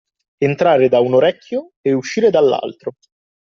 Entrare da un orecchio e uscire dall'altro.